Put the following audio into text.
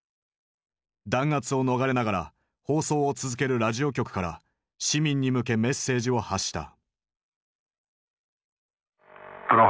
弾圧を逃れながら放送を続けるラジオ局から市民に向けメッセージを発した。